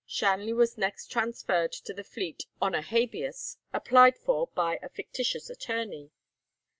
Shanley was next transferred to the Fleet on a Habeas, applied for by a fictitious attorney.